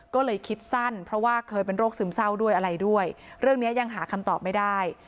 ก็เลยคิดสั้นเพราะว่าเคยเป็นโรคซึมเศร้าด้วยอะไรด้วยเรื่องนี้ยังหาคำตอบไม่ได้